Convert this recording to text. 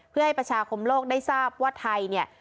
เพื่อให้ประชาคมโลกได้ทราบว่าไทยเนี่ย